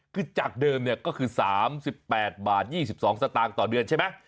คือจากเดิมเนี่ยก็คือ๓๘บาท๒๒สตางค์ต่อเดือนใช่ไหม